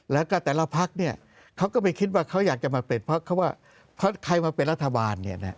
แล้วก็แต่ละพักเขาก็ไม่คิดว่าเขาอยากจะมาเป็นพักเขาว่าเพราะใครมาเป็นรัฐบาล